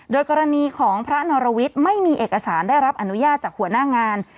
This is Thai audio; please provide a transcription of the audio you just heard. โดยกรณีของพระนรวิทย์ไม่มีเอกสารได้รับอนุญาตจากหัวหน้างาน